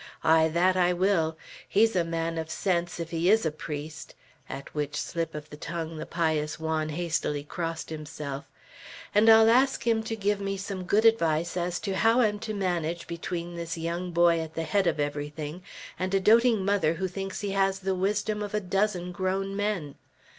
"Ay, that will I. He's a man of sense, if he is a priest," at which slip of the tongue the pious Juan hastily crossed himself, "and I'll ask him to give me some good advice as to how I'm to manage between this young boy at the head of everything, and a doting mother who thinks he has the wisdom of a dozen grown men.